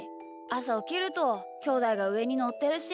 あさおきるときょうだいがうえにのってるし。